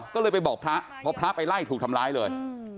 ก็เลยไปบอกพระพอพระไปไล่ถูกทำร้ายเลย